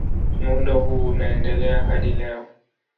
Muundo huu unaendelea hadi leo.